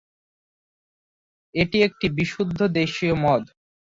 এটি একটি বিশুদ্ধ দেশীয় মদ।